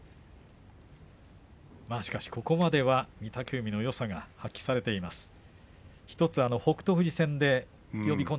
ここまでは御嶽海のよさが発揮されています。